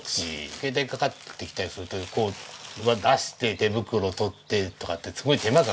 携帯かかってきたりすると出して手袋取ってとかってすごい手間かかるんですね。